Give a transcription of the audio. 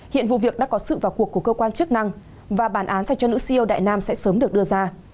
hiện vụ việc đã có sự vào cuộc của cơ quan chức năng và bản án dành cho nữ siêu đại nam sẽ sớm được đưa ra